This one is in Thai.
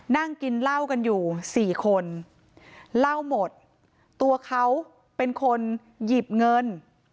นั่งกินเหล้ากันอยู่สี่คนเหล้าหมดตัวเขาเป็นคนหยิบเงิน